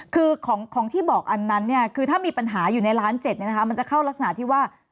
คือของที่บอกอันนั้นเนี่ยคือถ้ามีปัญหาอยู่ในล้าน๗มันจะเข้ารักษณะที่ว่า